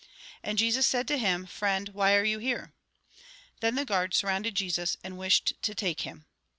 And Jesus said to him :" Friend, why are you here ?" Then the guard surrounded Jesus, and wished to take him.